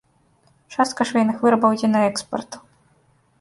Частка швейных вырабаў ідзе на экспарт.